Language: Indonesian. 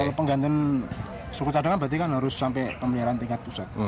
kalau penggantian suku cadangan berarti kan harus sampai pemeliharaan tingkat pusat